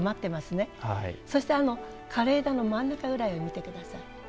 そして枯れ枝の真ん中ぐらいを見て下さい。